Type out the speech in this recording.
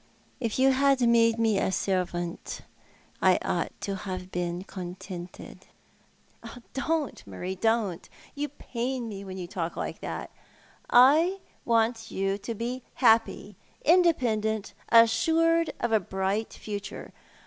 If you had made me a servant I ought to have been contented." " Don't, Marie, don't ! You pain me when you talk like that. I "want you to be hapj^y, independent, assured of a bright future.